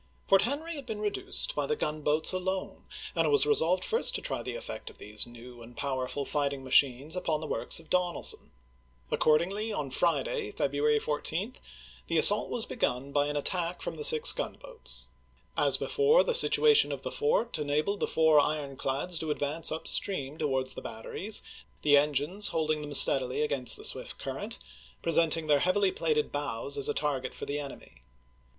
Fort Henry had been reduced by the gunboats alone, and it was resolved first to try the effect of these new and powerful fighting machines upon the works of Donelson. Accord ingly on Friday, February 14, the assault was 1862. begun by an attack from the six gunboats. As before, the situation of the fort enabled the four ironclads to advance up stream towards the bat teries, the engines holding them steadily against the swift current, presenting their heavily plated bows as a target for the enemy.